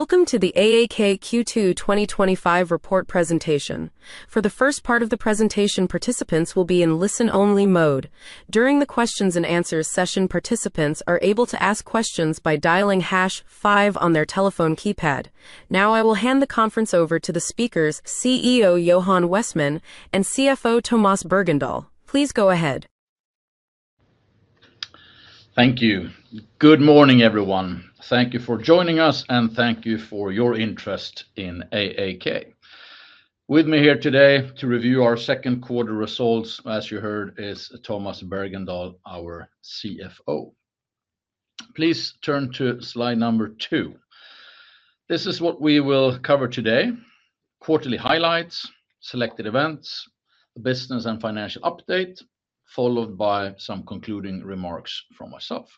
Welcome to the AAK Q2 twenty twenty five Report Presentation. For the first part of the presentation, participants will be in listen only mode. During the questions and answers session, participants are able to ask Now I will hand the conference over to the speakers, CEO, Johan Westman and CFO, Tomas Bergendahl. Please go ahead. Thank you. Good morning, everyone. Thank you for joining us, and thank you for your interest in AAK. With me here today to review our second quarter results, as you heard, is Thomas Bergendahl, our CFO. Please turn to Slide number two. This is what we will cover today: quarterly highlights, selected events, business and financial update, followed by some concluding remarks from myself.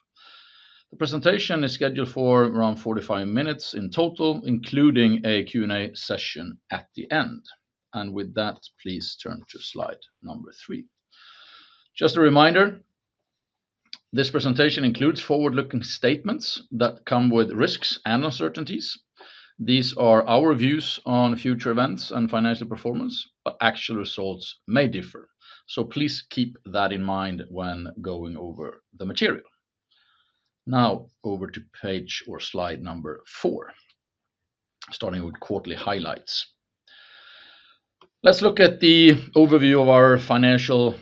The presentation is scheduled for around forty five minutes in total, including a Q and A session at the end. And with that, please turn to slide number three. Just a reminder, this presentation includes forward looking statements that come with risks and uncertainties. These are our views on future events and financial performance, but actual results may differ. So please keep that in mind when going over the material. Now over to Page or Slide four, starting with quarterly highlights. Let's look at the overview of our financial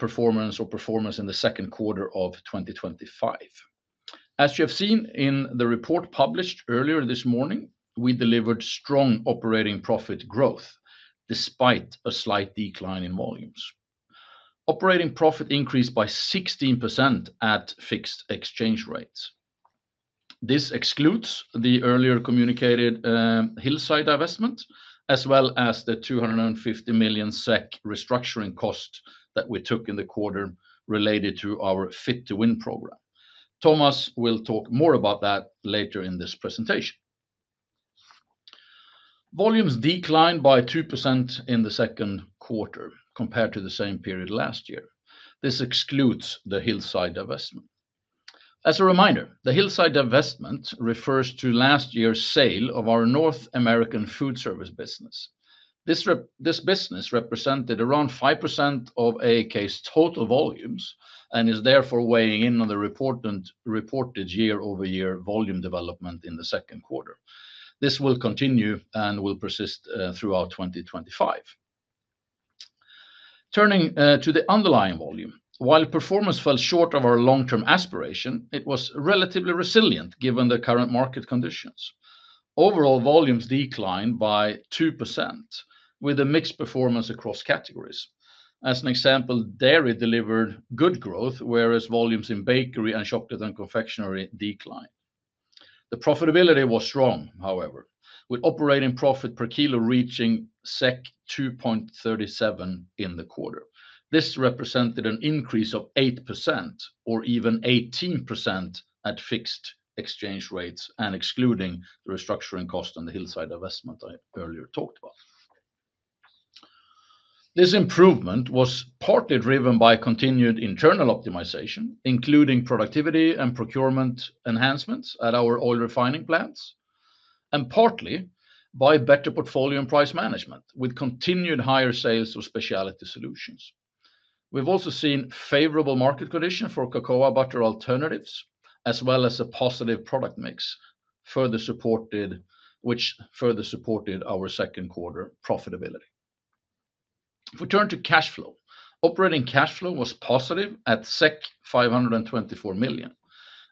performance or performance in the second quarter of twenty twenty five. As you have seen in the report published earlier this morning, we delivered strong operating profit growth despite a slight decline in volumes. Operating profit increased by 16% at fixed exchange rates. This excludes the earlier communicated Hillside divestment as well as the SEK $250,000,000 restructuring costs that we took in the quarter related to our Fit to Win program. Thomas will talk more about that later in this presentation. Volumes declined by 2% in the second quarter compared to the same period last year. This excludes the Hillside divestment. As a reminder, the Hillside divestment refers to last year's sale of our North American foodservice business. This business represented around 5% of AAK's total volumes and is therefore weighing in on the reported year over year volume development in the second quarter. This will continue and will persist throughout 2025. Turning to the underlying volume. While performance fell short of our long term aspiration, it was relatively resilient given the current market conditions. Overall volumes declined by 2% with a mixed performance across categories. As an example, dairy delivered good growth, whereas volumes in bakery and chocolate and confectionery declined. The profitability was strong, however, with operating profit per kilo reaching 2.37 in the quarter. This represented an increase of 8% or even 18% at fixed exchange rates and excluding the restructuring cost on the Hillside divestment I earlier talked about. This improvement was partly driven by continued internal optimization, including productivity and procurement enhancements at our oil refining plants and partly by better portfolio and price management with continued higher sales of specialty solutions. We've also seen favorable market condition for cocoa butter alternatives as well as a positive product mix, further supported which further supported our second quarter profitability. If we turn to cash flow. Operating cash flow was positive at SEK $524,000,000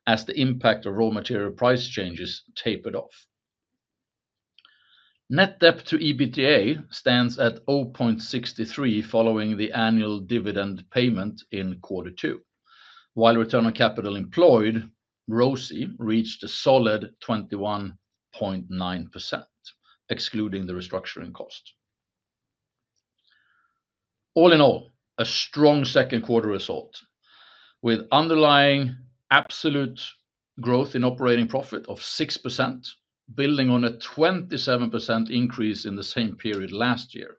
as the impact of raw material price changes tapered off. Net debt to EBITDA stands at 0.63 following the annual dividend payment in quarter two, while return on capital employed ROCE reached a solid 21.9%, excluding the restructuring cost. All in all, a strong second quarter result with underlying absolute growth in operating profit of 6%, building on a 27% increase in the same period last year,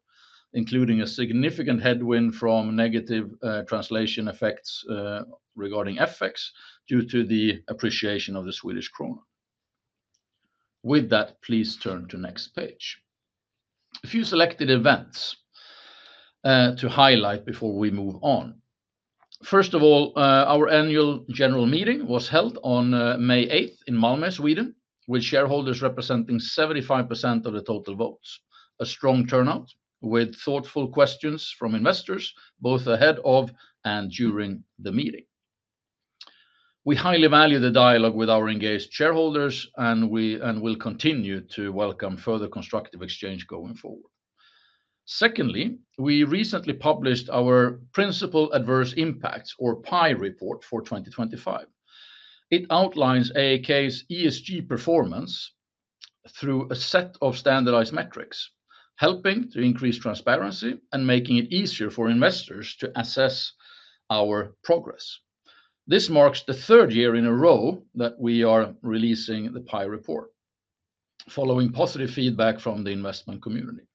including a significant headwind from negative translation effects regarding FX due to the appreciation of the Swedish krona. With that, please turn to next page. A few selected events to highlight before we move on. First of all, our Annual General Meeting was held on May 8 in Malmo, Sweden, with shareholders representing 75% of the total votes, a strong turnout with thoughtful questions from investors both ahead of and during the meeting. We highly value the dialogue with our engaged shareholders and we'll continue to welcome further constructive exchange going forward. Secondly, we recently published our Principal Adverse Impacts or PIE report for 2025. It outlines AAK's ESG performance through a set of standardized metrics, helping to increase transparency and making it easier for investors to assess our progress. This marks the third year in a row that we are releasing the PIE report, following positive feedback from the investment community.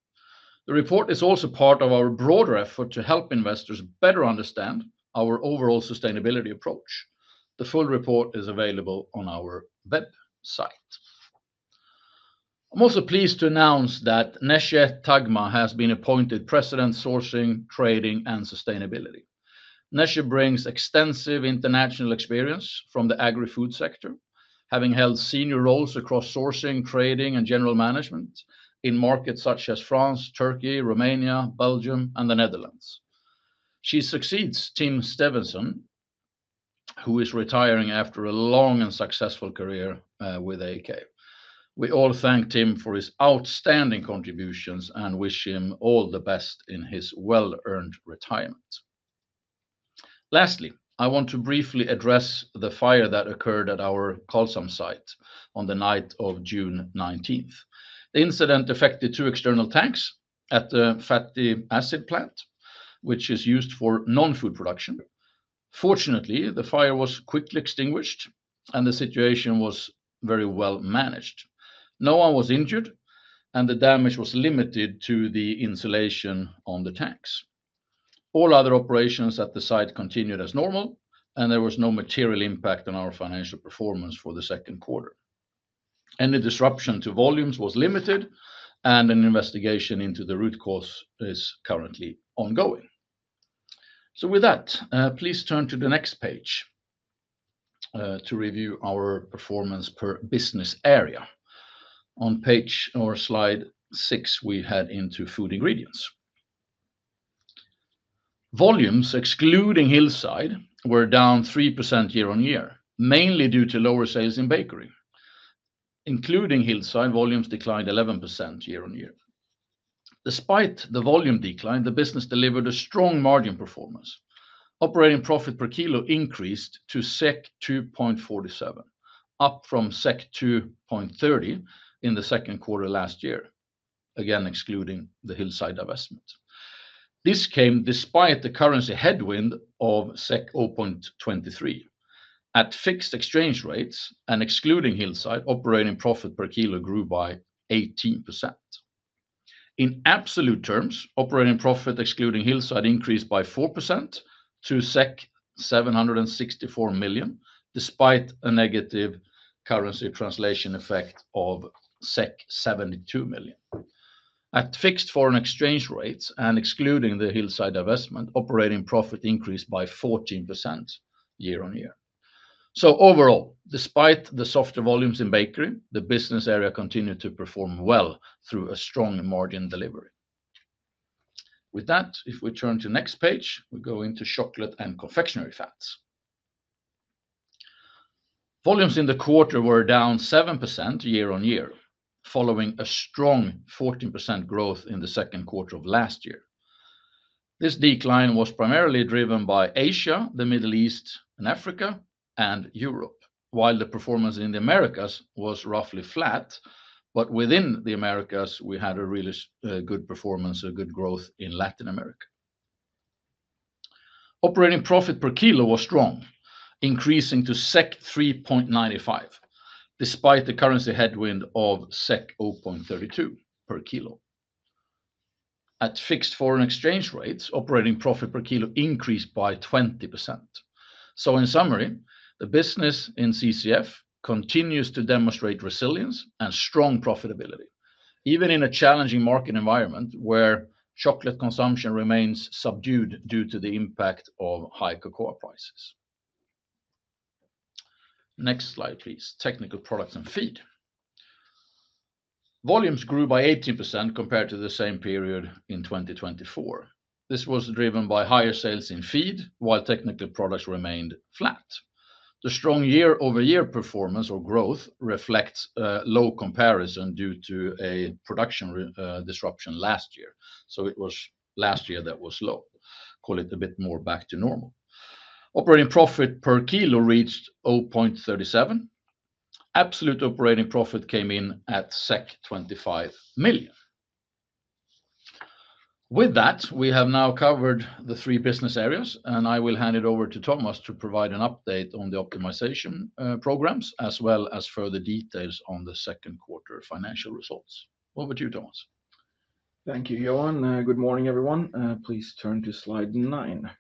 The report is also part of our broader effort to help investors better understand our overall sustainability approach. The full report is available on our website. I'm also pleased to announce that Nesje Tagma has been appointed President, Sourcing, Trading and Sustainability. Nesje brings extensive international experience from the agri food sector, having held senior roles across sourcing, trading, and general management in markets such as France, Turkey, Romania, Belgium, and The Netherlands. She succeeds Tim Steveson, who is retiring after a long and successful career with AK. We all thank Tim for his outstanding contributions and wish him all the best in his well earned retirement. Lastly, I want to briefly address the fire that occurred at our Carlsom site on the night of June 19. The incident affected two external tanks at the fatty acid plant, which is used for nonfood production. Fortunately, the fire was quickly extinguished, and the situation was very well managed. No one was injured, and the damage was limited to the insulation on the tanks. All other operations at the site continued as normal, and there was no material impact on our financial performance for the second quarter. Any disruption to volumes was limited, and an investigation into the root cause is currently ongoing. So with that, please turn to the next page to review our performance per business area. On Page or Slide six, we head into Food Ingredients. Volumes, excluding Hillside, were down 3% year on year, mainly due to lower sales in bakery. Including Hillside, volumes declined 11% year on year. Despite the volume decline, the business delivered a strong margin performance. Operating profit per kilo increased to 2.47, up from 2.3 in the second quarter last year, again excluding the Hillside divestment. This came despite the currency headwind of 0.23. At fixed exchange rates and excluding Hillside, operating profit per kilo grew by 18. In absolute terms, operating profit excluding Hillside increased by 4% to SEK $764,000,000 despite a negative currency translation effect of 72,000,000. At fixed foreign exchange rates and excluding the Hillside divestment, operating profit increased by 14% year on year. So overall, despite the softer volumes in bakery, the business area continued to perform well through a strong margin delivery. With that, if we turn to next page, we go into chocolate and confectionery fats. Volumes in the quarter were down 7% year on year, following a strong 14% growth in the second quarter of last year. This decline was primarily driven by Asia, The Middle East and Africa and Europe, while the performance in The Americas was roughly flat. But within The Americas, we had a really good performance, a good growth in Latin America. Operating profit per kilo was strong, increasing to 3.95 despite the currency headwind of 0.32 per kilo. At fixed foreign exchange rates, operating profit per kilo increased by 20%. So in summary, the business in CCF continues to demonstrate resilience and strong profitability. Even in a challenging market environment where chocolate consumption remains subdued due to the impact of high cocoa prices. Next slide, please, technical products and feed. Volumes grew by 18% compared to the same period in 2024. This was driven by higher sales in Feed, while Technical Products remained flat. The strong year over year performance or growth reflects low comparison due to a production disruption last year. So it was last year that was low, call it a bit more back to normal. Operating profit per kilo reached 0.37. Absolute operating profit came in at 25,000,000. With that, we have now covered the three business areas, and I will hand it over to Thomas to provide an update on the optimization programs as well as further details on the second quarter financial results. Over to you, Thomas. Thank you, Johan. Good morning, everyone. Please turn to Slide nine.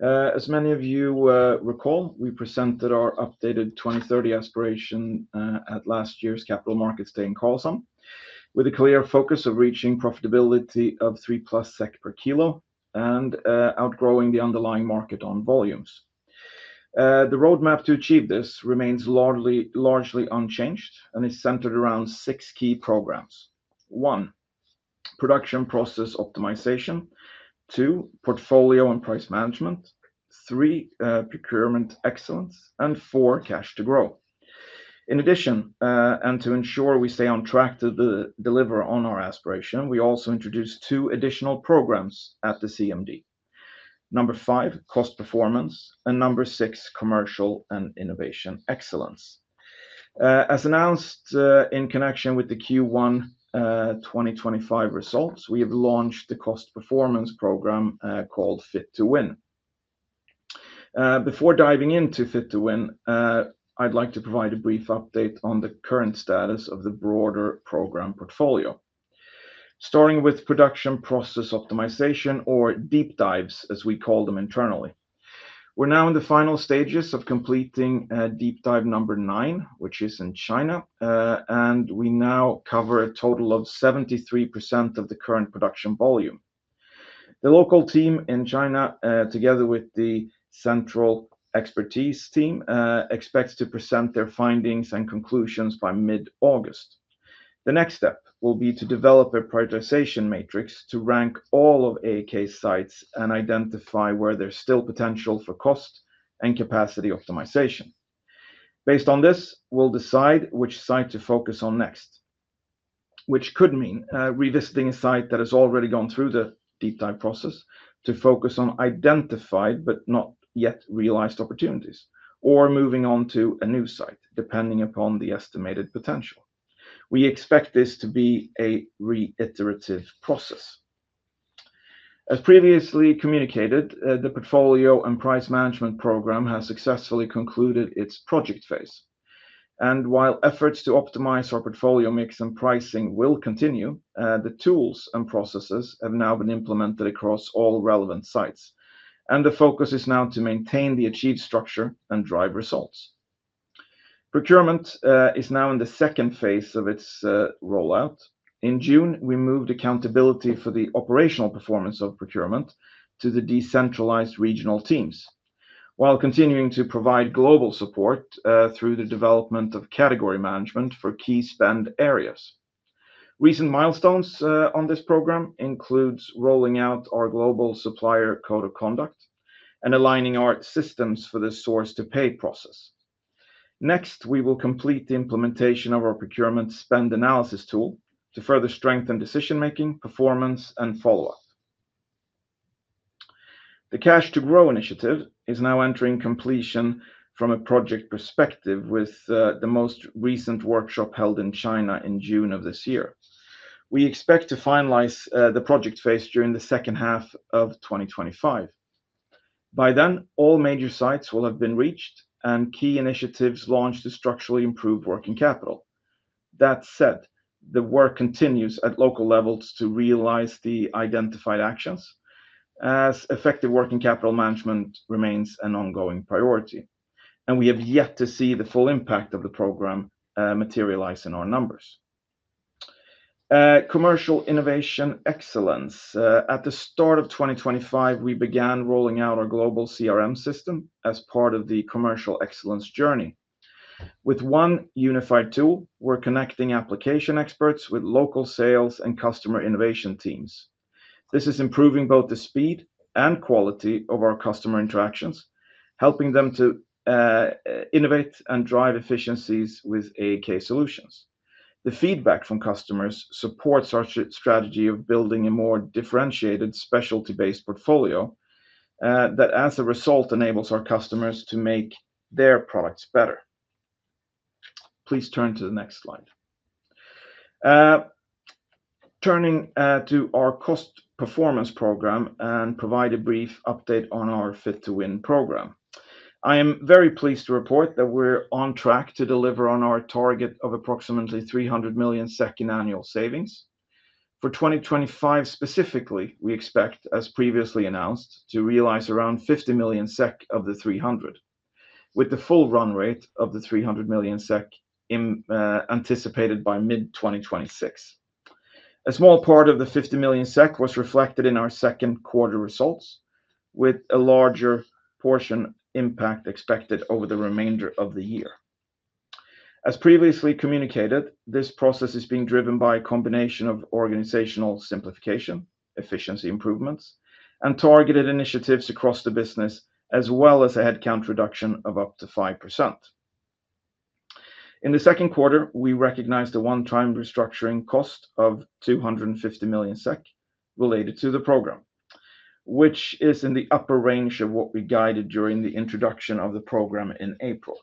As many of you recall, we presented our updated 2030 aspiration at last year's Capital Markets Day in Carlsson with a clear focus of reaching profitability of 3 plus per kilo and, outgrowing the underlying market on volumes. The road map to achieve this remains largely unchanged and is centered around six key programs. One, production process optimization two, portfolio and price management three, procurement excellence and four, cash to grow. In addition, and to ensure we stay on track to deliver on our aspiration, we also introduced two additional programs at the CMD. Number five, cost performance and number six, commercial and innovation excellence. As announced in connection with the Q1 twenty twenty five results, we have launched the cost performance program called Fit to Win. Before diving into Fit to Win, I'd like to provide a brief update on the current status of the broader program portfolio. Starting with production process optimization or deep dives as we call them internally. We're now in the final stages of completing, deep dive number nine, which is in China, and we now cover a total of 73% of the current production volume. The local team in China, together with the central expertise team, expects to present their findings and conclusions by mid August. The next step will be to develop a prioritization matrix to rank all of AEK sites and identify where there's still potential for cost and capacity optimization. Based on this, we'll decide which site to focus on next, which could mean, revisiting a site that has already gone through the deep dive process to focus on identified but not yet realized opportunities or moving on to a new site depending upon the estimated potential. We expect this to be a reiterative process. As previously communicated, portfolio and price management program has successfully concluded its project phase. And while efforts to optimize our portfolio mix and pricing will continue, the tools and processes have now been implemented across all relevant sites. And the focus is now to maintain the achieved structure and drive results. Procurement, is now in the second phase of its rollout. In June, we moved accountability for the operational performance of procurement to the decentralized regional teams, while continuing to provide global support, through the development of category management for key spend areas. Recent milestones, on this program includes rolling out our global supplier code of conduct and aligning our systems for the source to pay process. Next, we will complete the implementation of our procurement spend analysis tool to further strengthen decision making, performance and follow-up. The Cash to Grow initiative is now entering completion from a project perspective with, the most recent workshop held in China in June. We expect to finalize, the project phase during the second half of twenty twenty five. By then, all major sites will have been reached and key initiatives launched to structurally improve working capital. That said, the work continues at local levels to realize the identified actions as effective working capital management remains an ongoing priority. And we have yet to see the full impact of the program, materialize in our numbers. Commercial innovation excellence. At the start of 2025, we began rolling out our global CRM system as part of the commercial excellence journey. With one unified tool, we're connecting application experts with local sales and customer innovation teams. This is improving both the speed and quality of our customer interactions, helping them to, innovate and drive efficiencies with AEK solutions. The feedback from customers supports our strategy of building a more differentiated specialty based portfolio, that as a result enables our customers to make their products better. Please turn to the next slide. Turning to our cost performance program and provide a brief update on our Fit to Win program. I am very pleased to report that we're on track to deliver on our target of approximately 300 million in annual savings. For 2025 specifically, we expect, as previously announced, to realize around 50 million SEK of the 300 million, with the full run rate of the 300,000,000 SEK anticipated by mid-twenty twenty six. A small part of the 50,000,000 SEK was reflected in our second quarter results with a larger portion impact expected over the remainder of the year. As previously communicated, this process is being driven by a combination of organizational simplification, efficiency improvements and targeted initiatives across the business as well as a headcount reduction of up to 5%. In the second quarter, we recognized a one time restructuring cost of million related to the program, which is in the upper range of what we guided during the introduction of the program in April.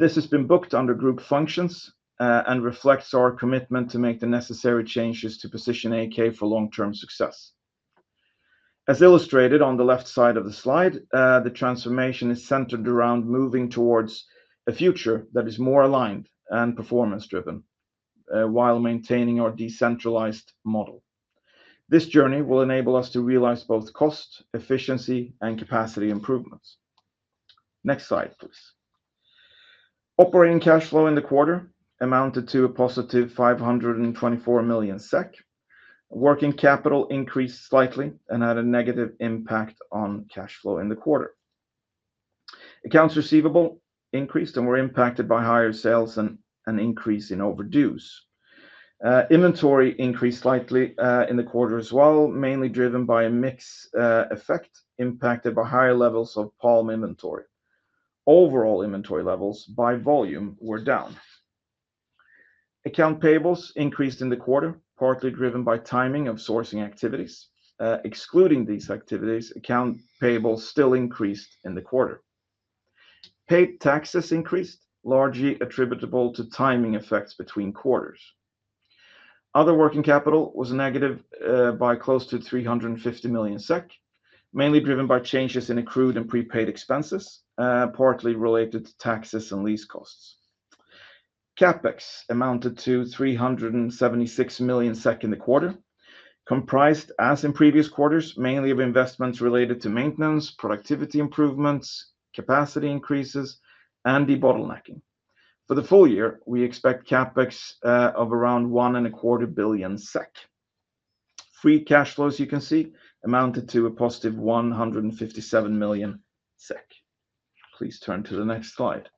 This has been booked under group functions, and reflects our commitment to make the necessary changes to position AK for long term success. As illustrated on the left side of the slide, the transformation is centered around moving towards a future that is more aligned and performance driven, while maintaining our decentralized model. This journey will enable us to realize both cost, efficiency and capacity improvements. Next slide, please. Operating cash flow in the quarter amounted to a positive five twenty four million. Working capital increased slightly and had a negative impact on cash flow in the quarter. Accounts receivable increased and were impacted by higher sales and an increase in overdues. Inventory increased slightly in the quarter as well, mainly driven by a mix effect impacted by higher levels of palm inventory. Overall inventory levels by volume were down. Account payables increased in the quarter, partly driven by timing of sourcing activities. Excluding these activities, account payables still increased in the quarter. Paid taxes increased largely attributable to timing effects between quarters. Other working capital was negative, by close to 350 million SEK, mainly driven by changes in accrued and prepaid expenses, partly related to taxes and lease costs. CapEx amounted to $376,000,000 in the quarter, comprised as in previous quarters mainly of investments related to maintenance, productivity improvements, capacity increases and debottlenecking. For the full year, we expect CapEx of around 1,250,000,000.00 SEK. Free cash flow, as you can see, amounted to a positive 157,000,000 SEK. Please turn to the next slide.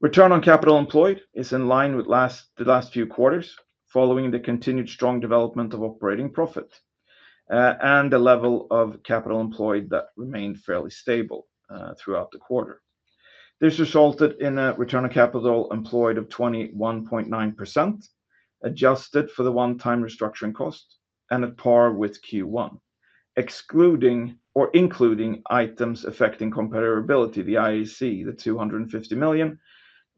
Return on capital employed is in line with the last few quarters following the continued strong development of operating profit, and the level of capital employed that remained fairly stable, throughout the quarter. This resulted in a return on capital employed of 21.9%, adjusted for the onetime restructuring costs and at par with Q1. Excluding or including items affecting comparability, the IEC, the million,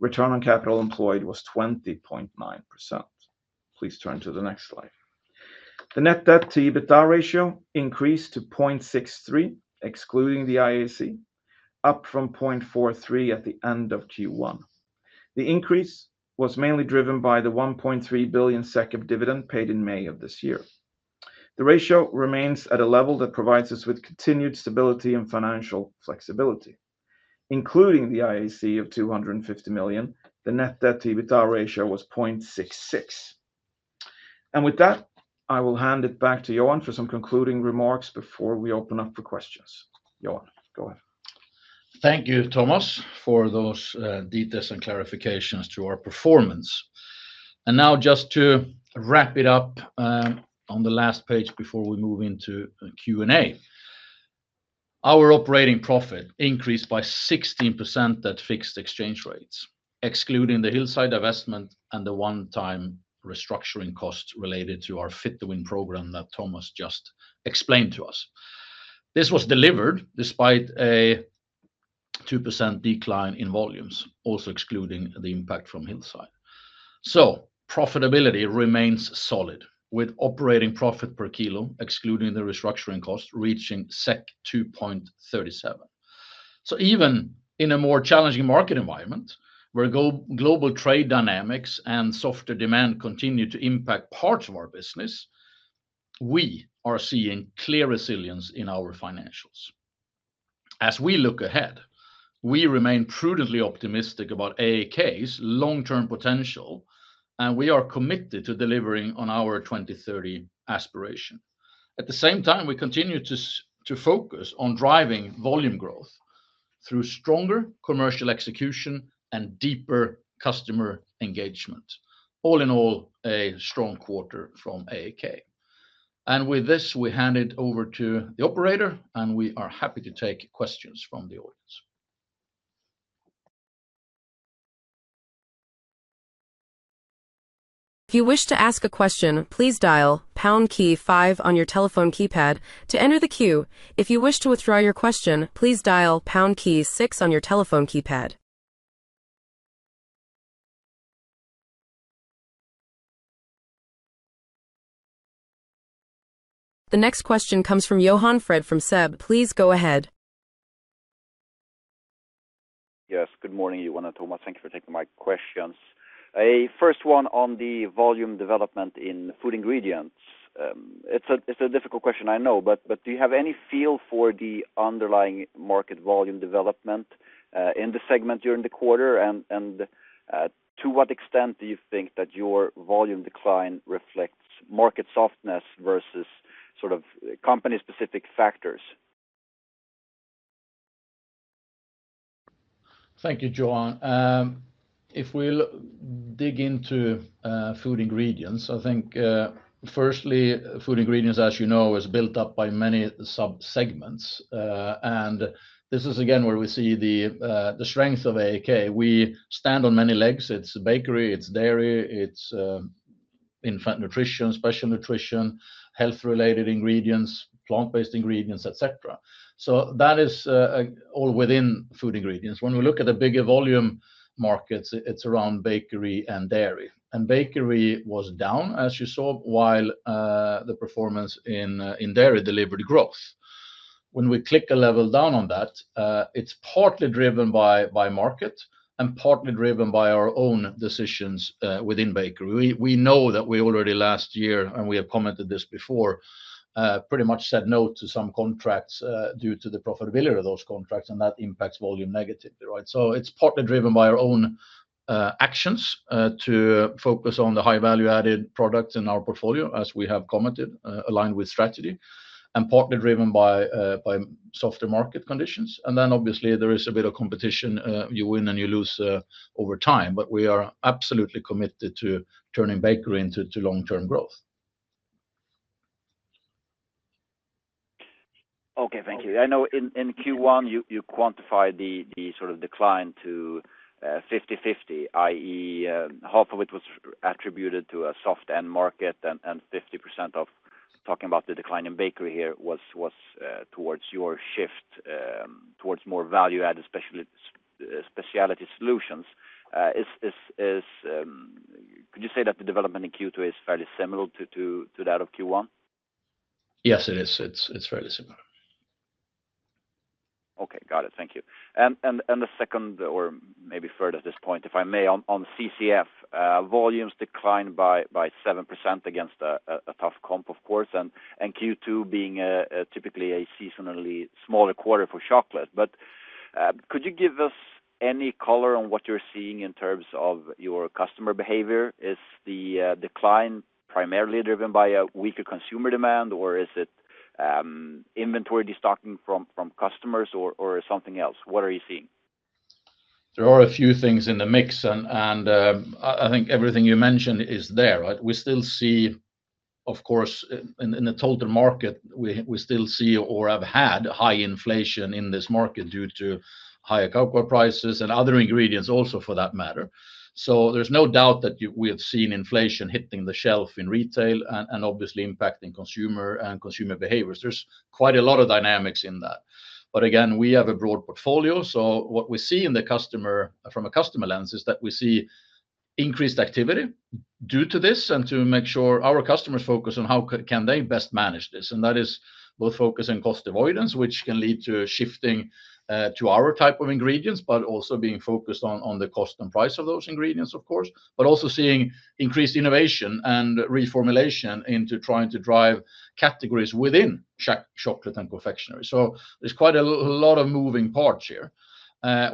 return on capital employed was 20.9%. Please turn to the next slide. The net debt to EBITDA ratio increased to 0.63, excluding the IAC, up from 0.43 at the end of Q1. The increase was mainly driven by the 1.3 billion SEK dividend paid in May. The ratio remains at a level that provides us with continued stability and financial flexibility. Including the IAC of €250,000,000 the net debt to EBITDA ratio was 0.66. And with that, I will hand it back to Johan for some concluding remarks before we open up for questions. Johan, go ahead. Thank you, Thomas, for those details and clarifications to our performance. And now just to wrap it up on the last page before we move into Q and A. Our operating profit increased by 16% at fixed exchange rates, excluding the Hillside divestment and the onetime restructuring costs related to our Fit to Win program that Thomas just explained to us. This was delivered despite a 2% decline in volumes, also excluding the impact from Hillside. So profitability remains solid with operating profit per kilo, excluding the restructuring cost, reaching 2.37. So even in a more challenging market environment, where global trade dynamics and softer demand continue to impact parts of our business, we are seeing clear resilience in our financials. As we look ahead, we remain prudently optimistic about AAK's long term potential and we are committed to delivering on our 2030 aspiration. At the same time, we continue to focus on driving volume growth through stronger commercial execution and deeper customer engagement. All in all, a strong quarter from AAK. And with this, we hand it over to the operator, and we are happy to take questions from The next question comes from Johan Fred from SEB. Please go ahead. Yes. Good morning, Johan and Thomas. Thank you for taking my questions. A first one on the volume development in Food Ingredients. It's a difficult question, I know. But do you have any feel for the underlying market volume development in the segment during the quarter? And to what extent do you think that your volume decline reflects market softness versus sort of company specific factors? Thank you, Jo Anne. If we'll dig into, food ingredients, I think, firstly, food ingredients, as you know, is built up by many subsegments. And this is again where we see the, the strength of AAK. We stand on many legs. It's bakery. It's dairy. It's infant nutrition, special nutrition, health related ingredients, plant based ingredients, etcetera. So that is, all within food ingredients. When we look at the bigger volume markets, it's around bakery and dairy. And bakery was down, as you saw, while, the performance in dairy delivered growth. When we click a level down on that, it's partly driven by market and partly driven by our own decisions within bakery. We know that we already last year, and we have commented this before, pretty much said no to some contracts due to the profitability of those contracts, and that impacts volume negatively, right? So it's partly driven by our own actions to focus on the high value added products in our portfolio, as we have commented, aligned with strategy and partly driven by softer market conditions. And then obviously, there is a bit of competition. You win and you lose over time. But we are absolutely committed to turning Bakery into long term growth. Okay. Thank you. I know in Q1, you quantified the sort of decline to fifty-fifty, I. E, half of it was attributed to a soft end market and 50% of talking about the decline in bakery here was towards your shift towards more value added specialty solutions. Is could you say that the development in Q2 is fairly similar to that of Q1? Yes, it is. It's fairly similar. Okay, got it. Thank you. And the second or maybe further at this point, if I may, on CCF, volumes declined by 7% against a tough comp, of course. And Q2 being typically a seasonally smaller quarter for chocolate. But could you give us any color on what you're seeing in terms of your customer behavior? Is the decline primarily driven by a weaker consumer demand? Or is it inventory destocking from customers or something else? What are you seeing? There are a few things in the mix. And I think everything you mentioned is there, right? We still see of course, in the total market, we still see or have had high inflation in this market due to higher cocoa prices and other ingredients also for that matter. So there's no doubt that we have seen inflation hitting the shelf in retail and obviously impacting consumer and consumer behaviors. There's quite a lot of dynamics in that. But again, we have a broad portfolio. So what we see in the customer from a customer lens is that we see increased activity due to this and to make sure our customers focus on how can they best manage this. And that is both focus on cost avoidance, which can lead to shifting to our type of ingredients, but also being focused on the cost and price of those ingredients, of course, but also seeing increased innovation and reformulation into trying to drive categories within chocolate and confectionery. So there's quite a lot of moving parts here,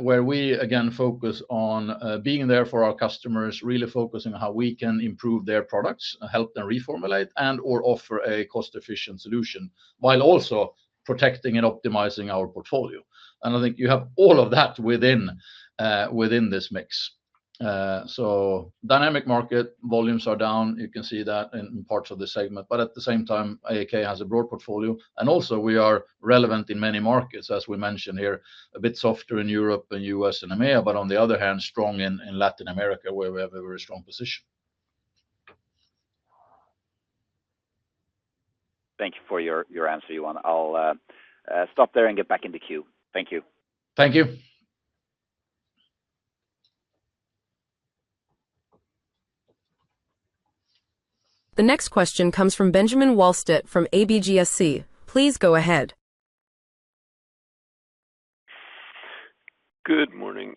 where we, again, focus on being there for our customers, really focusing on how we can improve their products, help them reformulate and or offer a cost efficient solution while also protecting and optimizing our portfolio. And I think you have all of that within this mix. So dynamic market volumes are down. You can see that in parts of the segment. But at the same time, AEK has a broad portfolio. And also, we are relevant in many markets, as we mentioned here, a bit softer in Europe and U. S. And EMEA, but on the other hand, strong in Latin America, where we have a very strong position. Thank you for your answer, Johan. I'll stop there and get back into queue. Thank you. Thank you. The next question comes from Benjamin Wallstadt from ABGSC. Please go ahead. Good morning.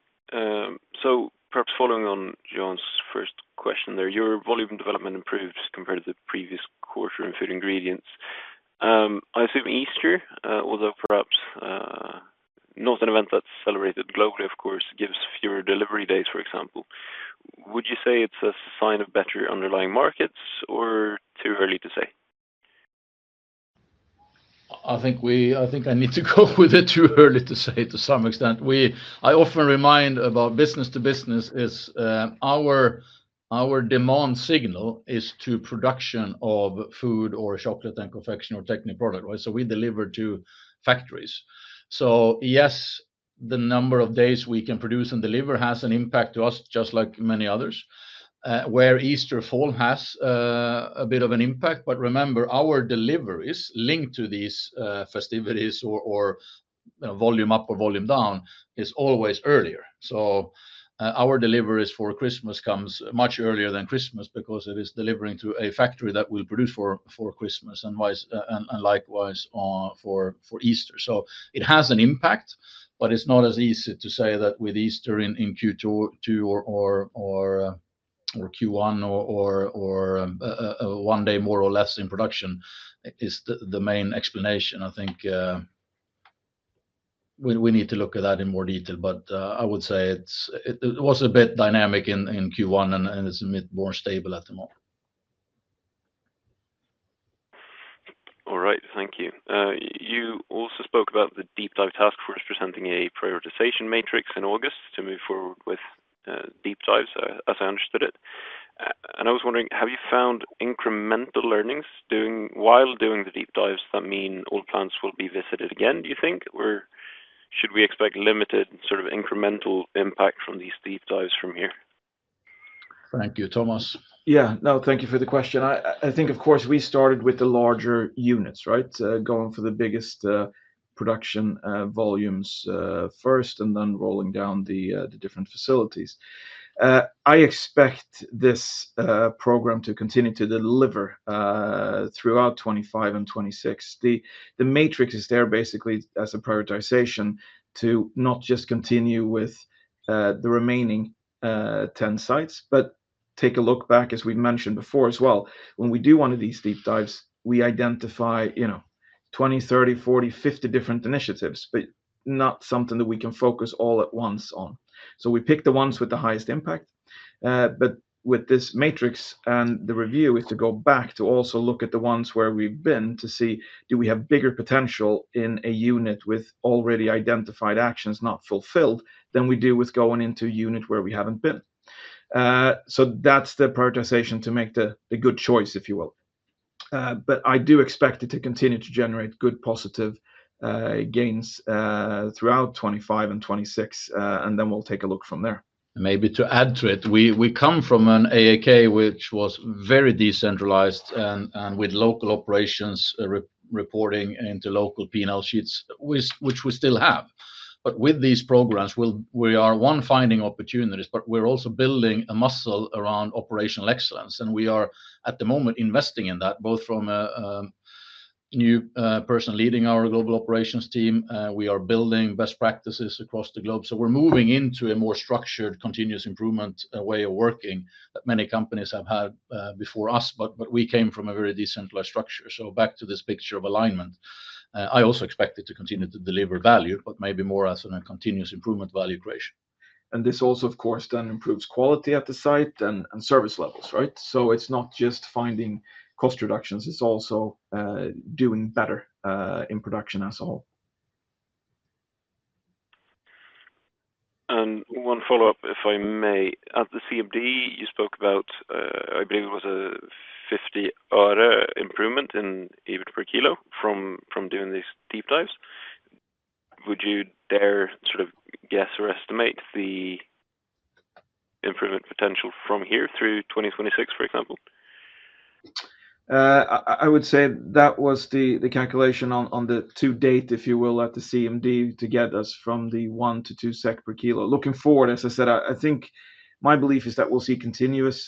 So perhaps following on John's first question there, your volume development improved compared to the previous quarter in food ingredients. I assume Easter, although perhaps not an event that's celebrated globally, of course, gives fewer delivery days, for example. Would you say it's a sign of better underlying markets or too early to say? I think we I think I need to go with it too early to say to some extent. We I often remind about business to business is our demand signal is to production of food or chocolate and confectionery or technique product, right? So we deliver to factories. So, yes, the number of days we can produce and deliver has an impact to us just like many others, where Easter fall has a bit of an impact. But remember, our deliveries linked to these, festivities or volume up or volume down is always earlier. So our deliveries for Christmas comes much earlier than Christmas because it is delivering through a factory that will produce for Christmas and wise and likewise for Easter. So it has an impact, but it's not as easy to say that with Easter in Q2 or Q1 or one day more or less in production is the main explanation. I think we need to look at that in more detail. But I would say it's it was a bit dynamic in Q1 and it's a bit more stable at the moment. Alright. Thank you. You also spoke about the deep dive task force presenting a prioritization matrix in August to move forward with, deep dives, as I understood it. And I was wondering, have you found incremental learnings doing while doing the deep dives that mean all plants will be visited again, you think? Or should we expect limited sort of incremental impact from these deep dives from here? Thank you. Thomas? Yes. No, thank you for the question. I think, of course, we started with the larger units, right, going for the biggest production volumes first and then rolling down the different facilities. I expect this program to continue to deliver throughout '25 and '26. The the matrix is there basically as a prioritization to not just continue with the remaining, 10 sites, but take a look back as we've mentioned before as well. When we do one of these deep dives, we identify, you know, twenty, thirty, 40, 50 different initiatives, but not something that we can focus all at once on. So we pick the ones with the highest impact. But with this matrix and the review is to go back to also look at the ones where we've been to see, do we have bigger potential in a unit with already identified actions not fulfilled than we do with going into a unit where we haven't been. So that's the prioritization to make the the good choice, if you will. But I do expect it to continue to generate good positive gains throughout 2025 and 2026, and then we'll take a look from there. Maybe to add to it, we come from an AAK, which was very decentralized and with local operations reporting into local P and L sheets, which we still have. But with these programs, we are, one, finding opportunities, but we're also building a muscle around operational excellence. And we are, at the moment, investing in that, both from a new person leading our global operations team. We are building best practices across the globe. So we're moving into a more structured continuous improvement way of working that many companies have had before us, but we came from a very decentralized structure. So back to this picture of alignment. I also expect it to continue to deliver value, but maybe more as on a continuous improvement value creation. And this also, of course, then improves quality at the site and service levels, right? So it's not just finding cost reductions, it's also doing better in production as a whole. And one follow-up, if I may. At the CMD, you spoke about, I believe it was a order improvement in EBIT per kilo from from doing these deep dives. Would you dare sort of guess or estimate the improvement potential from here through 2026, for example? I would say that was the the calculation on on the to date, if you will, at the CMD to get us from the one to two sec per kilo. Looking forward, as I said, I I think my belief is that we'll see continuous,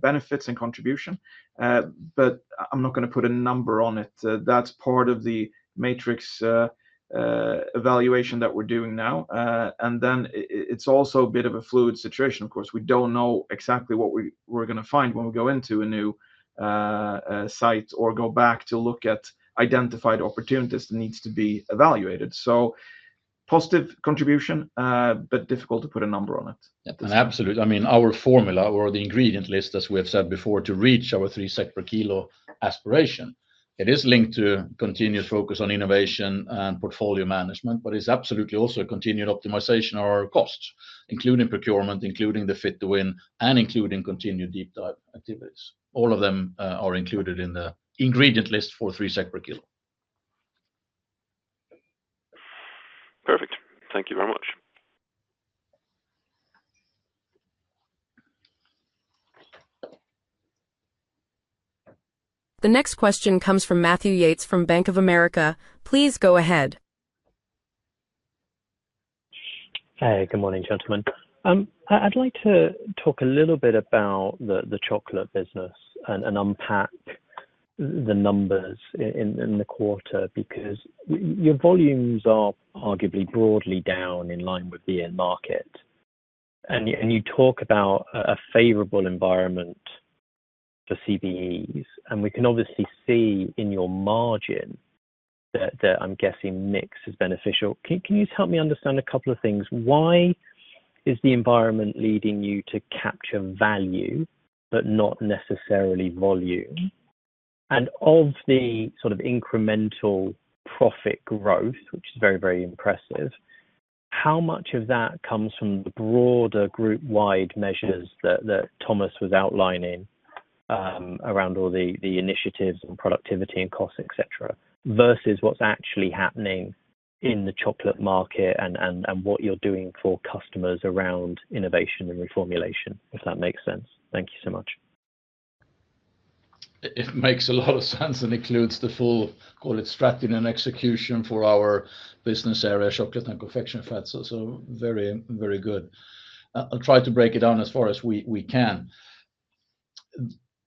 benefits and contribution, but I'm not gonna put a number on it. That's part of the matrix evaluation that we're doing now. And then it's also a bit of a fluid situation. Of course, we don't know exactly what we we're gonna find when we go into a new site or go back to look at identified opportunities that needs to be evaluated. So positive contribution, but difficult to put a number on it. And absolutely. I mean, our formula or the ingredient list, as we have said before, to reach our 3 SEK per kilo aspiration. It is linked to continued focus on innovation and portfolio management, but it's absolutely also a continued optimization of our costs, including procurement, including the fit to win and including continued deep dive activities. All of them, are included in the ingredient list for three separate kill. Perfect. Thank you very much. The next question comes from Matthew Yates from Bank of America. Please go ahead. Hey. Good morning, gentlemen. I'd like to talk a little bit about the chocolate business and unpack the numbers in the quarter because your volumes are arguably broadly down in line with the end market. And you and you talk about a favorable environment for CVEs, and we can obviously see in your margin that that I'm guessing mix is beneficial. Can can you just help me understand a couple of things? Why is the environment leading you to capture value but not necessarily volume? And of the sort of incremental profit growth, which is very, very impressive, how much of that comes from the broader group wide measures that that Thomas was outlining, around all the the initiatives and productivity and costs, etcetera, versus what's actually happening in the chocolate market and and and what you're doing for customers around innovation and reformulation, if that makes sense? Thank you so much. It makes a lot of sense and includes the full, call it, strategy and execution for our business area, Shopkite and ConfectionFat. So very, very good. I'll try to break it down as far as we can.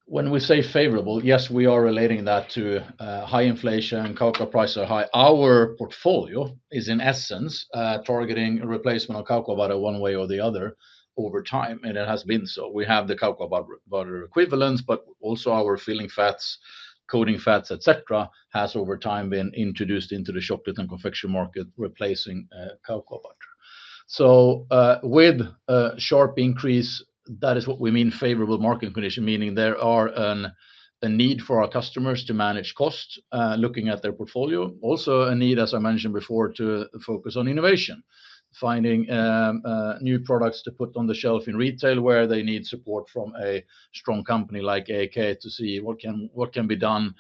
When we say favorable, yes, we are relating that to, high inflation, cocoa prices are high. Our portfolio is, in essence, targeting a replacement of cocoa butter one way or the other over time, and it has been so. We have the cocoa butter butter equivalents, but also our filling fats, coating fats, etcetera, has over time been introduced into the shop and confectionery market, replacing cocoa butter. So with a sharp increase, that is what we mean favorable market condition, meaning there are a need for our customers to manage costs, looking at their portfolio. Also a need, as I mentioned before, to focus on innovation, finding new products to put on the shelf in retail where they need support from a strong company like AK to see what can be done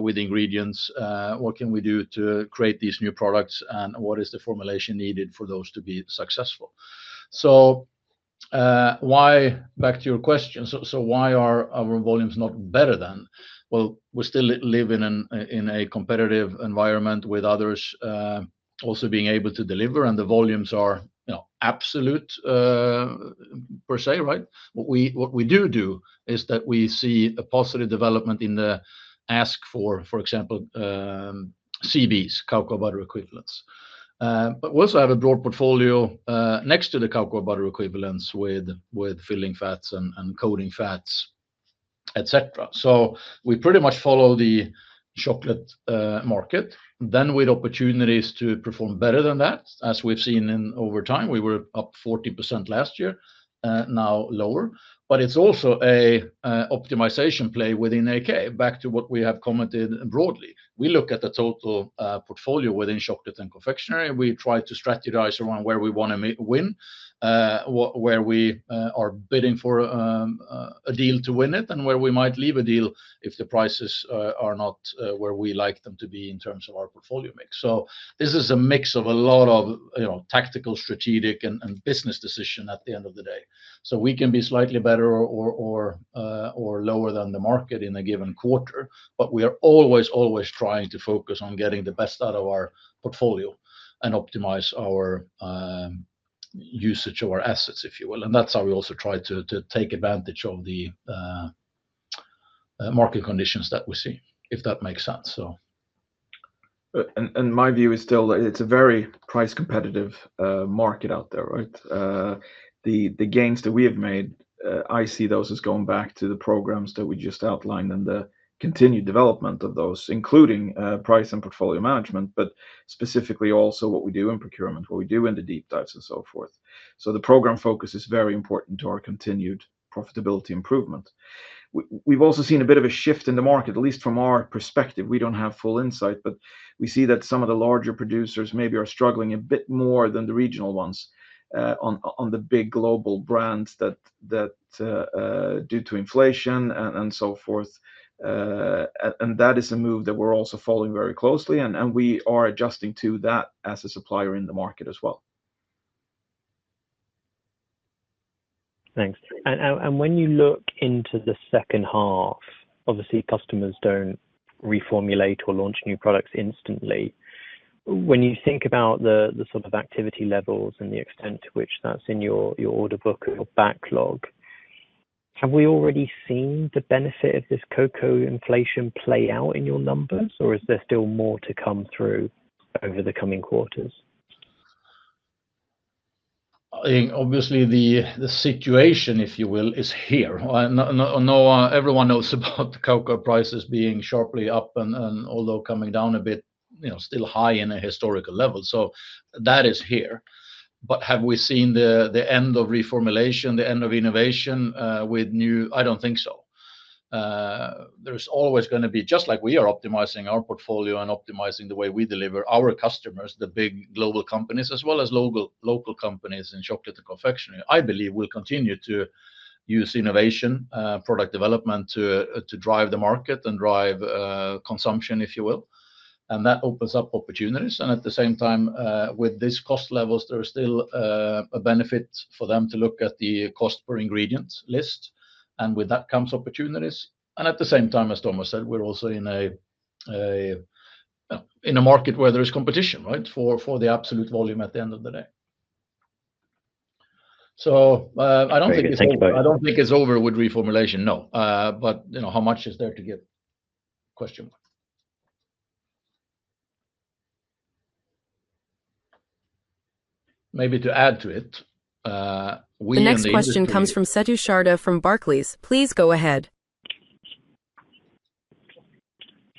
with ingredients, what can we do to create these new products and what is the formulation needed for those to be successful. So, why back to your question. So why are our volumes not better then? Well, we still live in a competitive environment with others also being able to deliver, and the volumes are absolute per se, right? What we do, do is that we see a positive development in the ask for, for example, CBs, cocoa butter equivalents. But we also have a broad portfolio, next to the cocoa butter equivalents with filling fats and coating fats, etcetera. So we pretty much follow the chocolate market. Then with opportunities to perform better than that, as we've seen in over time, we were up 40% last year, now lower. But it's also a optimization play within AK, back to what we have commented broadly. We look at the total portfolio within Schottett and Confectionery. We try to strategize around where we want to win, where we are bidding for a deal to win it and where we might leave a deal if the prices are not where we like them to be in terms of our portfolio mix. So this is a mix of a lot of tactical, strategic and business decision at the end of the day. So we can be slightly better or lower than the market in a given quarter, but we are always, always trying to focus on getting the best out of our portfolio and optimize our usage of our assets, if you will. And that's how we also try to to take advantage of the market conditions that we see, if that makes sense. So And and my view is still it's a very price competitive, market out there. Right? The the gains that we have made, I see those as going back to the programs that we just outlined and the continued development of those, including, price and portfolio management, but specifically also what we do in procurement, what we do in the deep dives and so forth. So the program focus is very important to our continued profitability improvement. We've also seen a bit of a shift in the market, at least from our perspective. We don't have full insight, but we see that some of the larger producers maybe are struggling a bit more than the regional ones, on on the big global brands that that, due to inflation and and so forth. And that is a move that we're also following very closely, we are adjusting to that as a supplier in the market as well. Thanks. And when you look into the second half, obviously, don't reformulate or launch new products instantly. When you think about the sort of activity levels and the extent to which that's in your order book or your backlog, have we already seen the benefit of this cocoa inflation play out in your numbers? Or is there still more to come through over the coming quarters? Obviously, the situation, if you will, is here. No everyone knows about cocoa prices being sharply up and although coming down a bit, still high in a historical level. So that is here. But have we seen the end of reformulation, the end of innovation with new I don't think so. There's always going to be just like we are optimizing our portfolio and optimizing the way we deliver our customers, the big global companies as well as local companies in chocolate and confectionery, I believe we'll continue to use innovation, product development to drive the market and drive consumption, if you will. And that opens up opportunities. And at the same time, with these cost levels, there is still a benefit for them to look at the cost per ingredients list. And with that comes opportunities. And at the same time, as Thomas said, we're also in a market where there is competition, right, for the absolute volume at the end of the day. So, I don't think it's I don't think it's over with reformulation. No. But, you know, how much is there to give? Question. Maybe to add to it, next question comes from Sattusharda from Barclays. Please go ahead.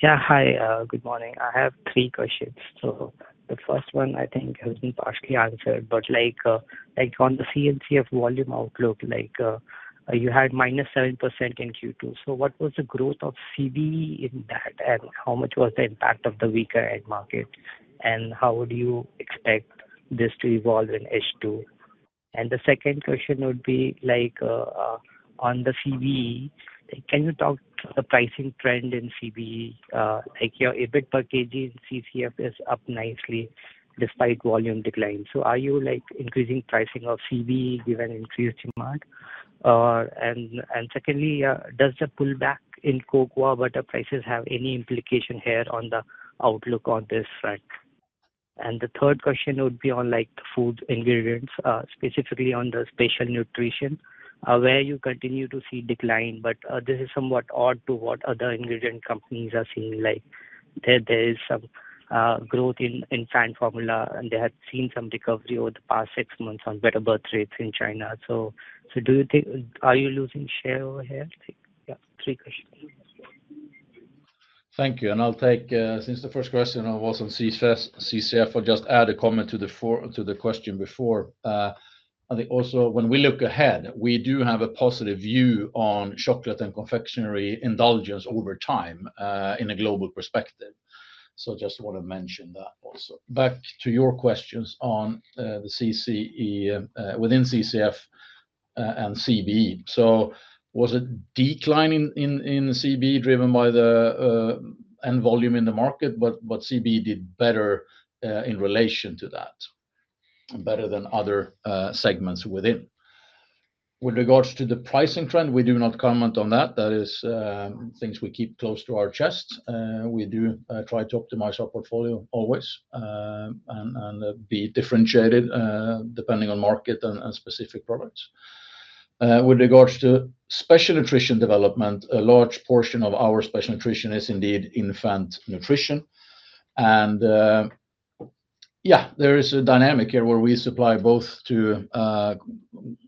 Yeah. Hi. Good morning. I have three questions. So the first one, I think, has been partially answered. But, like, like, on the CNCF volume outlook, like, you had minus 7% in q two. So what was the growth of CV in that? And how much was the impact of the weaker end market? And how would you expect this to evolve in H2? And the second question would be, like, on the CVE, can you talk the pricing trend in CVE? Like, your EBIT per kg in CCF is up nicely despite volume decline. So are you, like, increasing pricing of CV given increased demand? Or and and secondly, does the pullback in cocoa butter prices have any implication here on the outlook on this? Right? And the third question would be on, like, food ingredients, specifically on the special nutrition, where you continue to see decline, but this is somewhat odd to what other ingredient companies are seeing like. There there is some growth in fine formula and they had seen some recovery over the past six months on better birth rates in China. So do you think are you losing share over here? Yes, three questions. Thank you. And I'll take since the first question was on CCF, I'll just add a comment to the question before. I think also, when we look ahead, we do have a positive view on chocolate and confectionery indulgence over time in a global perspective. So just want to mention that also. Back to your questions on the CCE, within CCF and CB. So was it declining in CB driven by the end volume in the market, but but CB did better, in relation to that, better than other, segments within. With regards to the pricing trend, we do not comment on that. That is, things we keep close to our chest. We do try to optimize our portfolio always and and be differentiated, depending on market and and specific products. With regards to special nutrition development, a large portion of our special nutrition is indeed infant nutrition. And, yes, there is a dynamic here where we supply both to,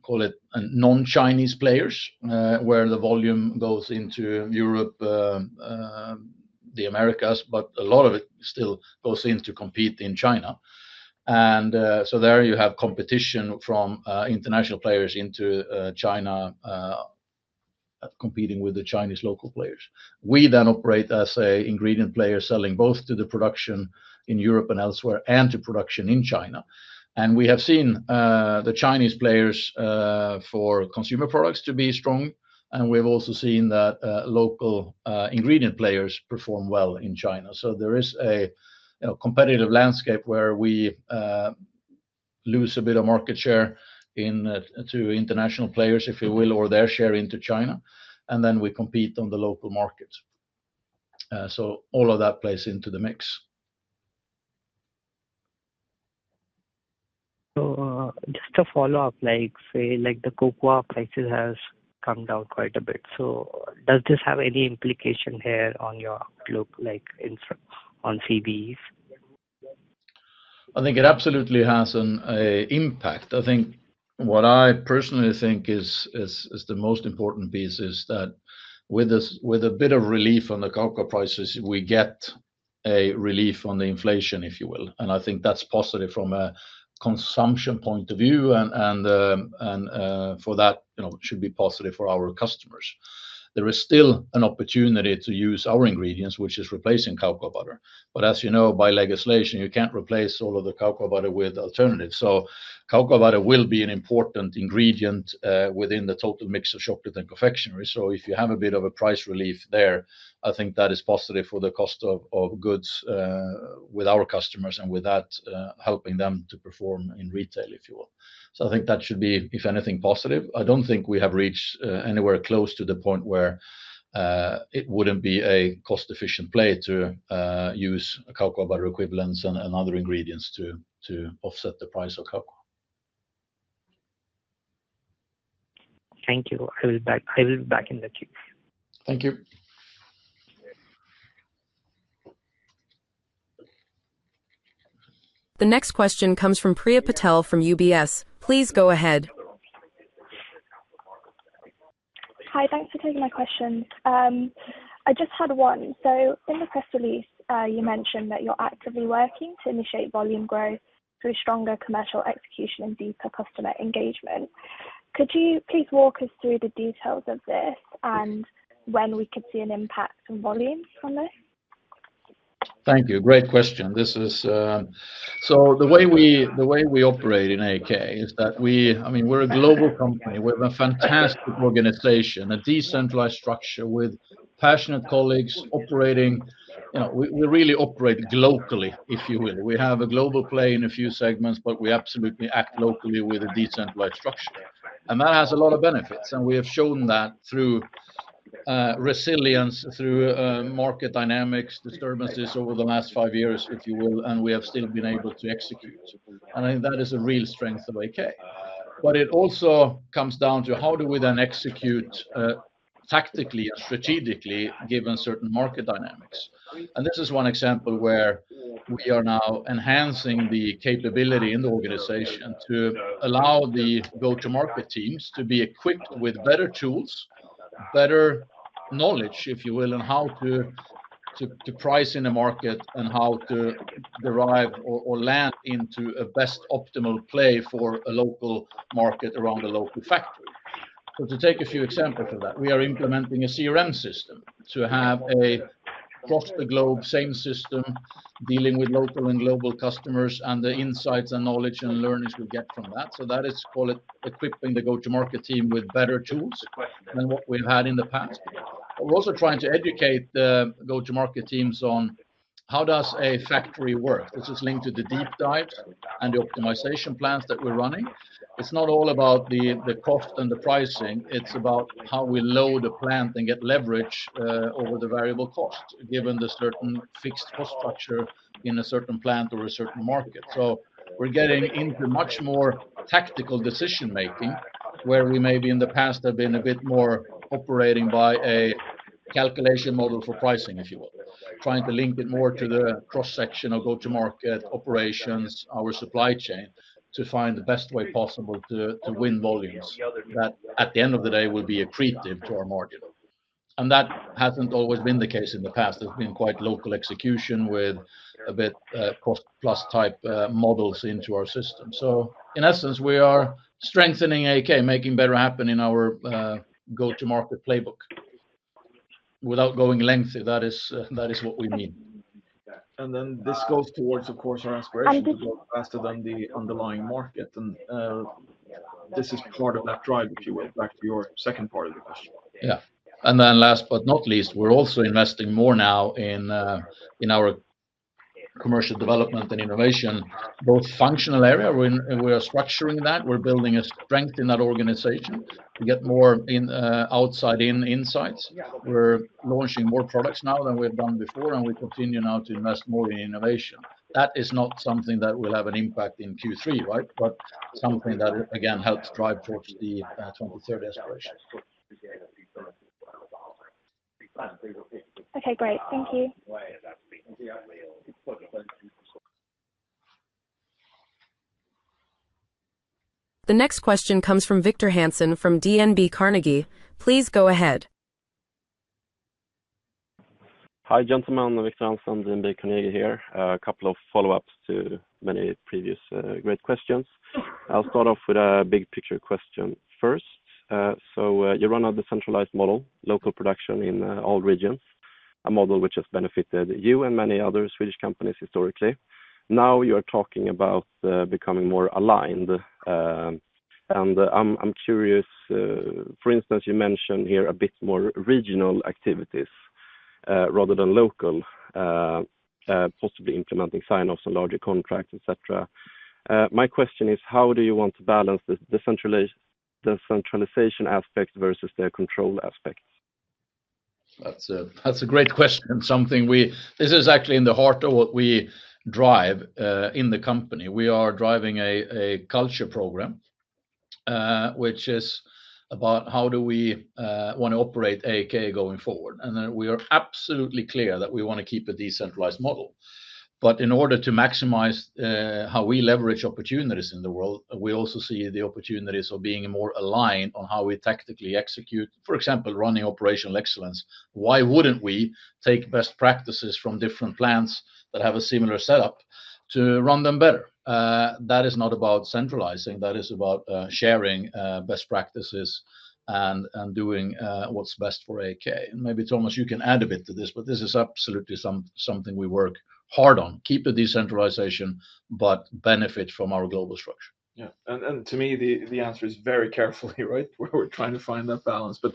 call it, non Chinese players, where the volume goes into Europe, The Americas, but a lot of it still goes into compete in China. And so there you have competition from international players into China competing with the Chinese local players. We then operate as an ingredient player selling both to the production in Europe and elsewhere and to production in China. And we have seen the Chinese players for consumer products to be strong. And we've also seen that local ingredient players perform well in China. So there is a competitive landscape where we lose a bit of market share in to international players, if you will, or their share into China. And then we compete on the local markets. So all of that plays into the mix. So, just a follow-up, like, say, like the cocoa prices So does this have any implication here on your outlook like on CVEs? I think it absolutely has an impact. I think what I personally think is the most important piece is that with a bit of relief on the cocoa prices, we get a relief on the inflation, if you will. And I think that's positive from a consumption point of view. And for that, it should be positive for our customers. There is still an opportunity to use our ingredients, which is replacing cocoa butter. But as you know, by legislation, you can't replace all of the cocoa butter with alternatives. So cocoa butter will be an important ingredient within the total mix of chocolate and confectionery. So if you have a bit of a price relief there, I think that is positive for the cost of goods with our customers and with that, helping them to perform in retail, if you will. So I think that should be, if anything, positive. I don't think we have reached anywhere close to the point where it wouldn't be a cost efficient play to use cocoa butter equivalents and other ingredients to offset the price of cocoa. Thank you. I be back in the queue. Thank you. The next question comes from Priya Patel from UBS. Please go ahead. Hi. Thanks for taking my question. I just had one. So in the press release, you mentioned that you're actively working to initiate volume growth through stronger commercial execution and deeper customer engagement. Could you please walk us through the details of this and when we could see an impact on volumes from this? Thank you. Great question. This is so the way we operate in AK is that we I mean, we're a global company. We're a fantastic organization, a decentralized structure with passionate colleagues operating you know, we we really operate globally, if you will. We have a global play in a few segments, but we absolutely act locally with a decentralized structure. And that has a lot of benefits. And we have shown that through, resilience, through, market dynamics, disturbances over the last five years, if you will, and we have still been able to execute. And I think that is a real strength of AK. But it also comes down to how do we then execute tactically, strategically given certain market dynamics. And this is one example where we are now enhancing the capability in the organization to allow the go to market teams to be equipped with better tools, better knowledge, if you will, on how to price in a market and how to derive or land into a best optimal play for a local market around a local factory. So to take a few examples of that, we are implementing a CRM system to have a across the globe same system dealing with local and global customers and the insights and knowledge and learnings we get from that. So that is, call it, equipping the go to market team with better tools than what we've had in the past. We're also trying to educate the go to market teams on how does a factory work. This is linked to the deep dives and the optimization plans that we're running. It's not all about the cost and the pricing. It's about how we load a plant and get leverage over the variable costs, given the certain fixed cost structure in a certain plant or a certain market. So we're getting into much more tactical decision making, where we maybe in the past have been a bit more operating by a calculation model for pricing, if you will, trying to link it more to the cross section of go to market operations, our supply chain to find the best way possible to to win volumes that, at the end of the day, will be accretive to our margin. And that hasn't always been the case in the past. There's been quite local execution with a bit cost plus type models into our system. So in essence, we are strengthening AK, making better happen in our go to market playbook. Without going lengthy, that is what we mean. And then this goes towards, of course, our aspiration to go faster than the underlying market. And this is part of that drive, if you will, back to your second part of the question. Yeah. And then last but not least, we're also investing more now in, in our commercial development and innovation, both functional area. We're in and we are structuring that. We're building a strength in that organization to get more in, outside in insights. We're launching more products now than we've done before, and we continue now to invest more in innovation. That is not something that will have an impact in q three, right, but something that, again, helps drive towards the 2030 aspiration. Okay. Great. Thank you. The next question comes from Victor Hansen from DNB. Carnegie. Go ahead. Gentlemen. Victor Hansen, DNB Carnegie here. A couple of follow ups to many previous great questions. I'll start off with a big picture question first. So you run a decentralized model, local production in all regions, a model which has benefited you and many other Swedish companies historically. Now you are talking about becoming more aligned. And I'm curious, for instance, you mentioned here a bit more regional activities rather than local, possibly implementing sign offs on larger contracts, etcetera. My question is how do you want to balance centralization aspect versus the control aspect? That's a great question, something we this is actually in the heart of what we drive in the company. We are driving a culture program, which is about how do we want to operate AK going forward. And then we are absolutely clear that we want to keep a decentralized model. But in order to maximize how we leverage opportunities in the world, we also see the opportunities of being more aligned on how we tactically execute. For example, running operational excellence, why wouldn't we take best practices from different plants that have a similar setup to run them better. That is not about centralizing. That is about, sharing, best practices and and doing, what's best for AK. And maybe, Thomas, you can add a bit to this, but this is absolutely some something we work hard on. Keep a decentralization, but benefit from our global structure. Yeah. And to me, the answer is very carefully, right, where we're trying to find that balance. But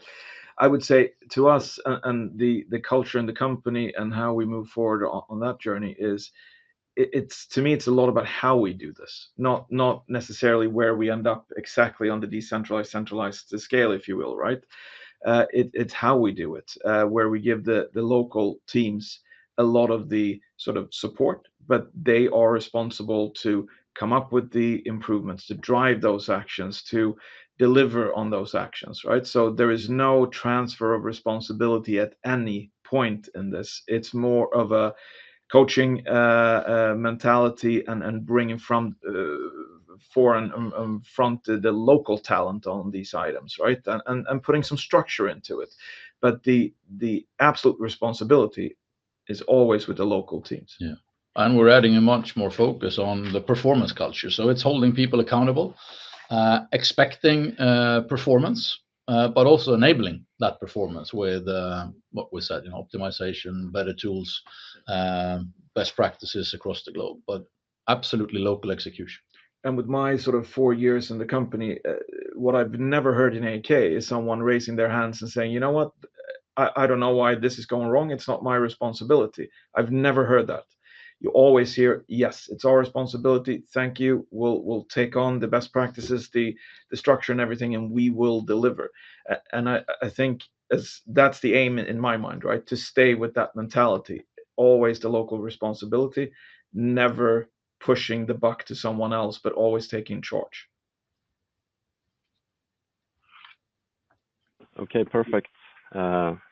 I would say to us and the culture and the company and how we move forward on that journey is, it's to me, it's a lot about how we do this, not not necessarily where we end up exactly on the decentralized, centralized scale, if you will. Right? It's how we do it, where we give the the local teams a lot of the sort of support, but they are responsible to come up with the improvements, to drive those actions, to deliver on those actions. Right? So there is no transfer of responsibility at any point in this. It's more of a coaching mentality and bringing from foreign from the local talent on these items, right, and putting some structure into it. But the absolute responsibility is always with the local teams. Yeah. And we're adding a much more focus on the performance culture. So it's holding people accountable, expecting performance, but also enabling that performance with what we said in optimization, better tools, best practices across the globe, but absolutely local execution. And with my sort of four years in the company, what I've never heard in AK is someone raising their hands and saying, you know what? I I don't know why this is going wrong. It's not my responsibility. I've never heard that. You always hear, yes. It's our responsibility. Thank you. We'll we'll take on the best practices, the the structure, and everything, and we will deliver. And I I think as that's the aim in my mind, right, to stay with that mentality. Always the local responsibility, never pushing the buck to someone else, but always taking charge. Okay. Perfect.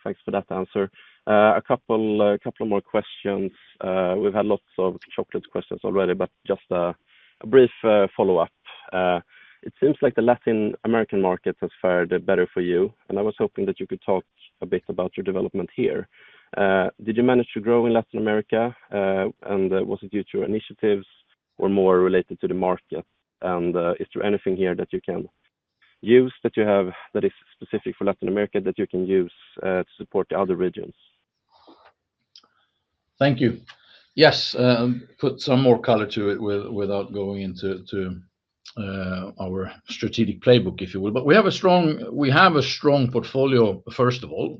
Thanks for that answer. A couple couple of more questions. We've had lots of chocolate questions already, but just a a brief follow-up. It seems like the Latin American market has fared better for you, and I was hoping that you could talk a bit about your development here. Did you manage to grow in Latin America? And was it due to your initiatives or more related to the market? And is there anything here that you can use that you have that is specific for Latin America that you can use to support the other regions? Thank you. Yes, I'll put some more color to it without going into our strategic playbook, if you will. But we have a strong portfolio, first of all,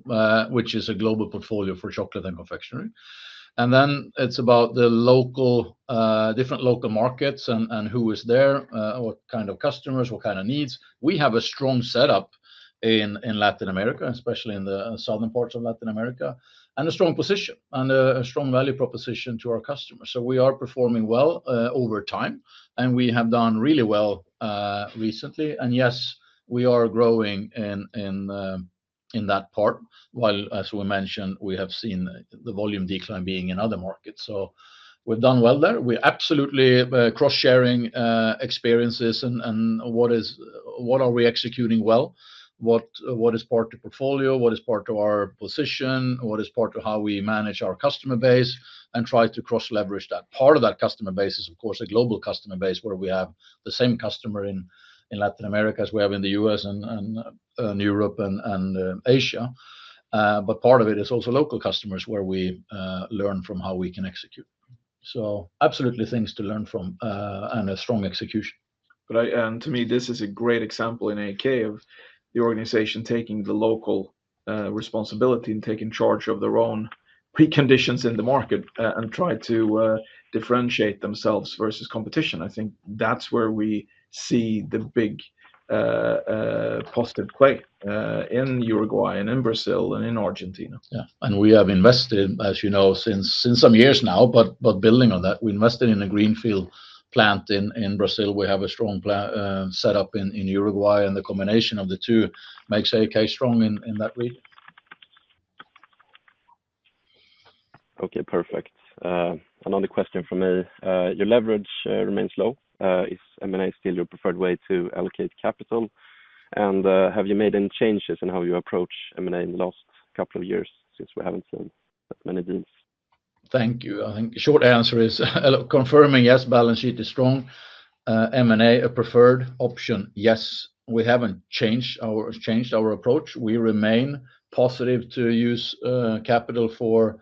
which is a global portfolio for chocolate and confectionery. And then it's about the local, different local markets and and who is there, what kind of customers, what kind of needs. We have a strong setup in in Latin America, especially in the Southern parts of Latin America, and a strong position and a strong value proposition to our customers. So we are performing well over time, and we have done really well recently. And yes, we are growing in that part, while as we mentioned, we have seen the volume decline being in other markets. So we've done well there. We're absolutely cross sharing experiences and what is what are we executing well, what is part of portfolio, what is part of our position, what is part of how we manage our customer base and try to cross leverage that. Part of that customer base is, of course, a global customer base where we have the same customer in Latin America as we have in The US and and and Europe and and Asia. But part of it is also local customers where we, learn from how we can execute. So absolutely things to learn from, and a strong execution. But I and to me, this is a great example in AK of the organization taking the local, responsibility and taking charge of their own preconditions in the market, and try to differentiate themselves versus competition. I think that's where we see the big positive quake in Uruguay and in Brazil and in Argentina. Yes. And we have invested, as you know, since some years now, building on that, we invested in a greenfield plant in Brazil. We have a strong setup in Uruguay, and the combination of the two makes AK strong in that region. Okay, perfect. Another question from me. Your leverage remains low. Is M and A still your preferred way to allocate capital? And have you made any changes in how you approach M and A in the last couple of years since we haven't seen that many deals? Thank you. I think short answer is confirming, yes, balance sheet is strong. M and A, a preferred option, yes. We haven't changed our approach. We remain positive to use capital for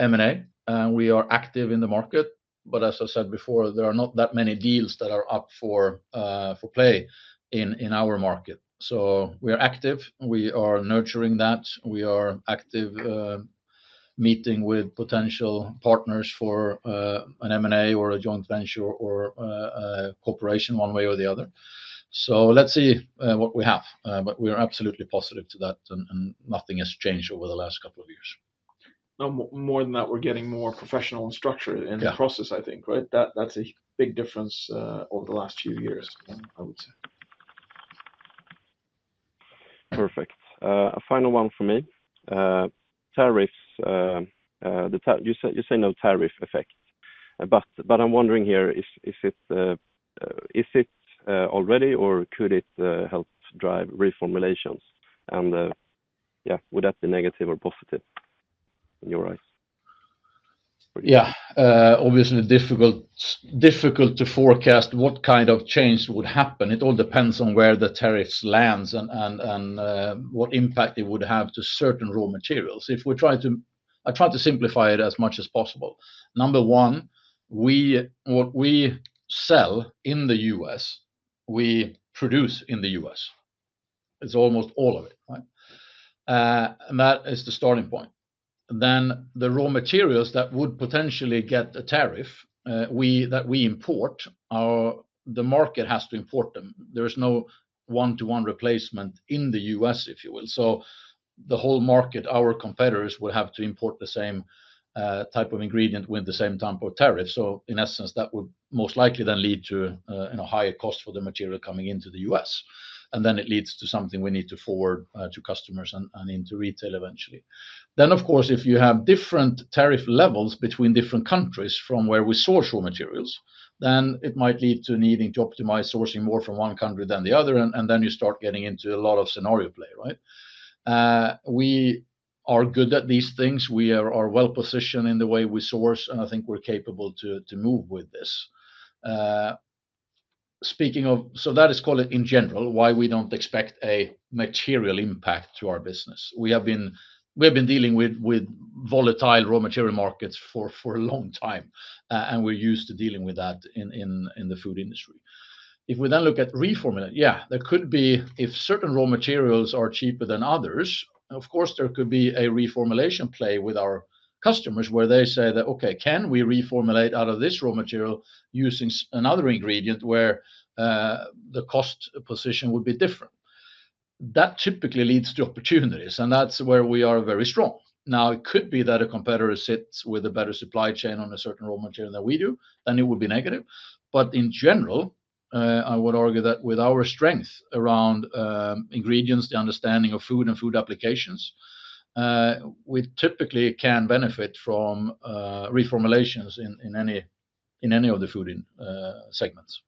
M and A. We are active in the market. But as I said before, there are not that many deals that are up for, for play in in our market. So we are active. We are nurturing that. We are active meeting with potential partners for an m and a or a joint venture or a corporation one way or the other. So let's see, what we have. But we are absolutely positive to that, and and nothing has changed over the last couple of years. No. More than that, we're getting more professional structured in the process, I think. Right? That that's a big difference, over the last few years, I would say. Perfect. A final one for me. Tariffs, the you said you said no tariff effect, But I'm wondering here, is it already? Or could it help drive reformulations? And yes, would that be negative or positive in your eyes? Yes. Obviously, difficult to forecast what kind of change would happen. It all depends on where the tariffs lands and what impact it would have to certain raw materials. If we try to I try to simplify it as much as possible. Number one, what we sell in The U. S, we produce in The U. S. It's almost all of it, right? And that is the starting point. Then the raw materials that would potentially get a tariff that we import, the market has to import them. There is no one to one replacement in The U. S, if you will. So the whole market, our competitors will have to import the same type of ingredient with the same type of tariff. So in essence, that would most likely then lead to a higher cost for the material coming into The U. S. And then it leads to something we need to forward to customers and into retail eventually. Then of course, if you have different tariff levels between different countries from where we source raw materials, then it might lead to needing to optimize sourcing more from one country than the other, and then you start getting into a lot of scenario play, right? We are good at these things. We are well positioned in the way we source, and I think we're capable to move with this. Speaking of so that is, call it, in general, why we don't expect a material impact to our business. We have been dealing with volatile raw material markets for a long time, and we're used to dealing with that in the food industry. If we then look at reforming, yes, there could be if certain raw materials are cheaper than others, of course, there could be a reformulation play with our customers where they say that, okay, can we reformulate out of this raw material using another ingredient where the cost position would be different. That typically leads to opportunities, and that's where we are very strong. Now it could be that a competitor sits with a better supply chain on a certain raw material than we do, then it would be negative. But in general, I would argue that with our strength around, ingredients, the understanding of food and food applications, we typically can benefit from reformulations in in any in any of the food segments.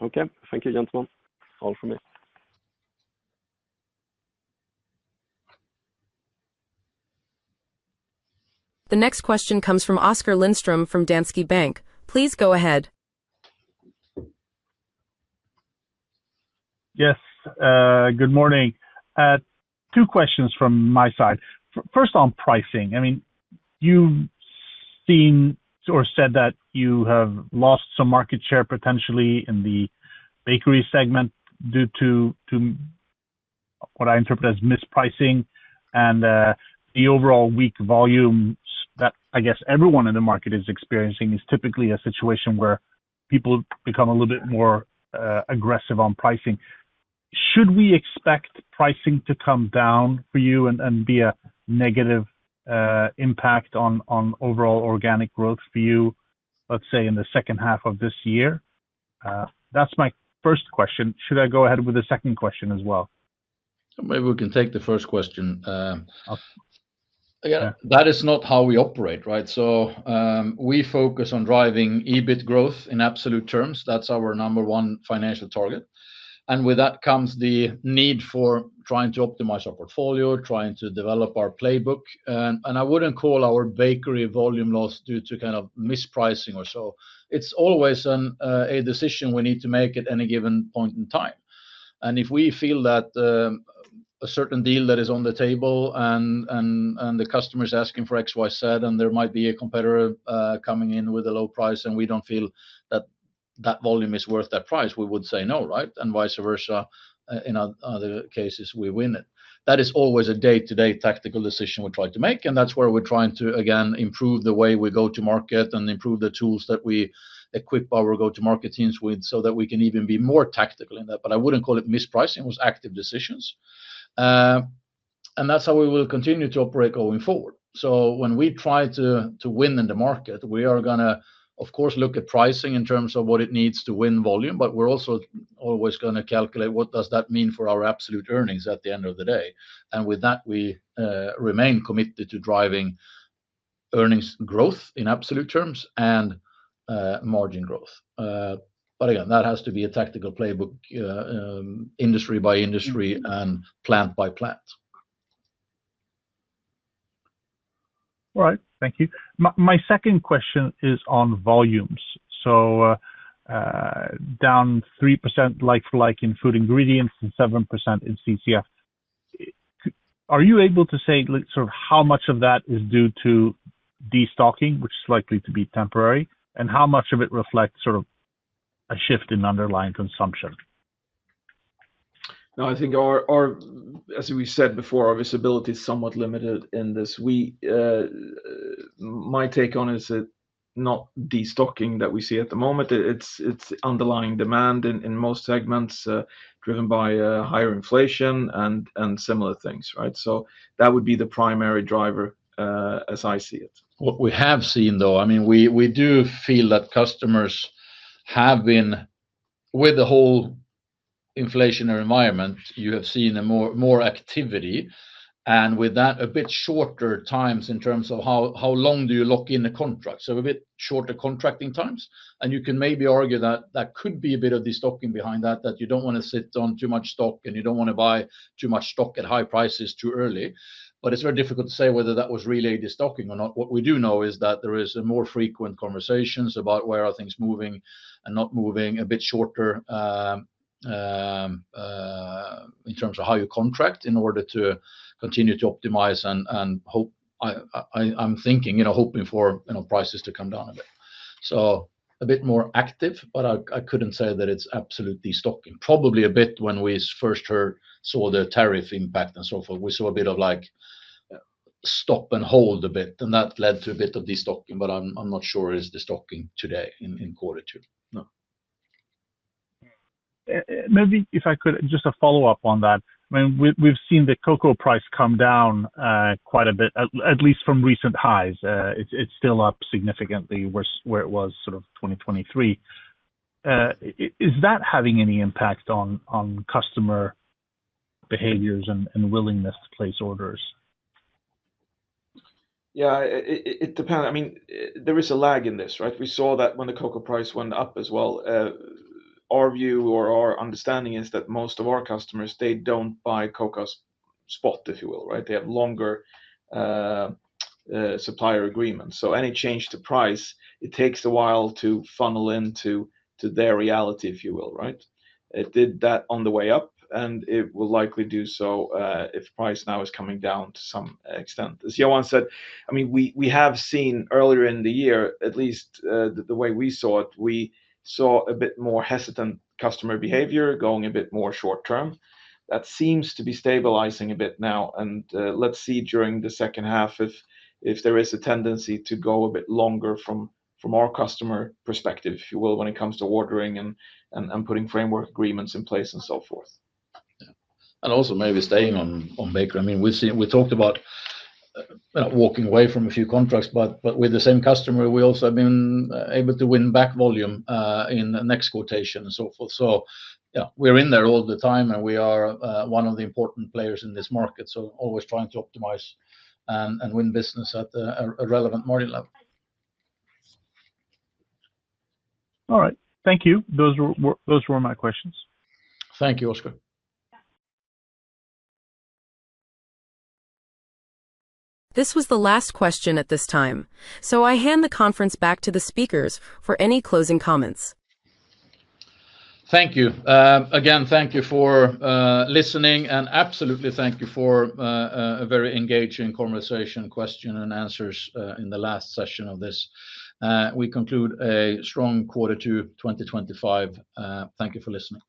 The next question comes from Oscar Lindstrom from Danske Bank. Please go ahead. Good morning. Two questions from my side. First on pricing, I mean, you've seen or said that you have lost some market share potentially in the bakery segment due to what I interpret as mispricing and the overall weak volumes that, I guess, everyone in the market is experiencing is typically a situation where people become a little bit more aggressive on pricing. Should we expect pricing to come down for you and be a negative impact on overall organic growth for you, let's say, the second half of this year? That's my first question. Should I go ahead with the second question as well? Maybe we can take the first question. Again, that is not how we operate, right? So we focus on driving EBIT growth in absolute terms. That's our number one financial target. And with that comes the need for trying to optimize our portfolio, trying to develop our playbook. And I wouldn't call our bakery volume loss due to kind of mispricing or so. It's always a decision we need to make at any given point in time. And if we feel that a certain deal that is on the table and the customer is asking for XYZ and there might be a competitor coming in with a low price and we don't feel that, that volume is worth that price, we would say no, right? And vice versa, in other cases, we win it. That is always a day to day tactical decision we try to make, and that's where we're trying to, again, improve the way we go to market and improve the tools that we equip our go to market teams with so that we can even be more tactical in that. But I wouldn't call it mispricing, it was active decisions. And that's how we will continue to operate going forward. So when we try to win in the market, we are going to, of course, look at pricing in terms of what it needs to win volume, but we're also always going to calculate what does that mean for our absolute earnings at the end of the day. And with that, we remain committed to driving earnings growth in absolute terms and margin growth. But again, that has to be a tactical playbook industry by industry and plant by plant. All right. Thank you. My second question is on volumes. So down 3% like for like in Food Ingredients and 7% in CCF. Are you able to say sort of how much of that is due to destocking, which is likely to be temporary? And how much of it reflects sort of a shift in underlying consumption? No. I think our our as we said before, our visibility is somewhat limited in this. We, my take on is it not destocking that we see at the moment. It's underlying demand in most segments driven by higher inflation and similar things, right? So that would be the primary driver, as I see it. What we have seen, though, I mean, we do feel that customers have been with the whole inflationary environment, you have seen more activity. And with that, a bit shorter times in terms of how long do you lock in the contract, so a bit shorter contracting times. And you can maybe argue that, that could be a bit of destocking behind that, that you don't want to sit on too much stock and you don't want to buy too much stock at high prices too early. But it's very difficult to say whether that was really destocking or not. What we do know is that there is more frequent conversations about where are things moving and not moving a bit shorter in terms of how you contract in order to continue to optimize and and hope I I I'm thinking, you know, hoping for, you know, prices to come down a bit. So a bit more active, but I I couldn't say that it's absolute destocking. Probably a bit when we first heard saw the tariff impact and so forth. We saw a bit of like stop and hold a bit, and that led to a bit of destocking, but I'm not sure it's destocking today in quarter two. Maybe if I could, just a follow-up on that. I mean, we've seen the cocoa price come down quite a bit, at least from recent highs. It's still up significantly where it was sort of 2023. Is that having any impact on on customer behaviors and and willingness to place orders? Yeah. It depend I mean, there is a lag in this. Right? We saw that when the cocoa price went up as well. Our view or our understanding is that most of our customers, they don't buy cocoa spot, if you will. Right? They have longer, supplier agreements. So any change to price, it takes a while to funnel into to their reality, if you will. Right? It did that on the way up, and it will likely do so, if price now is coming down to some extent. As Johan said, I mean, we we have seen earlier in the year, at least, the the way we saw it, we saw a bit more hesitant customer behavior going a bit more short term. That seems to be stabilizing a bit now. And, let's see during the second half if if there is a tendency to go a bit longer from from our customer perspective, if you will, when it comes to ordering and putting framework agreements in place and so forth. Yes. And also maybe staying on Baker. I mean, we've seen we talked about walking away from a few contracts. But with the same customer, we also have been able to win back volume in the next quotation and so forth. So yes, we're in there all the time, and we are one of the important players in this market. So always trying to optimize win business at a relevant margin level. All right. Thank you. Those were my questions. Thank you, Oscar. This was the last question at this time. So I hand the conference back to the speakers for any closing comments. Thank you. Again, thank you for listening, and absolutely thank you for a very engaging conversation, question and answers in the last session of this. We conclude a strong quarter two twenty twenty five. Thank you for listening.